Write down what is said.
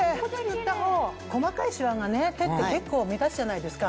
細かいシワがね手って結構目立つじゃないですか。